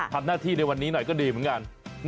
ทำหน้าที่ในวันนี้หน่อยก็ดีเหมือนกัน